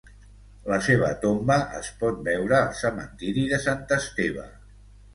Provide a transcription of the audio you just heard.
La seva tomba es pot veure al cementiri de Sant Esteve.